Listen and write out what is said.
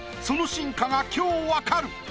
その真価が今日分かる。